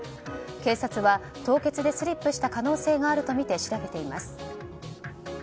警察は凍結でスリップした可能性があるとみて調べています。